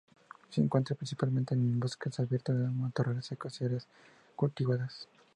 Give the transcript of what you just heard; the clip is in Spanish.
Se encuentra principalmente en bosques abiertos de matorrales secos y áreas cultivadas.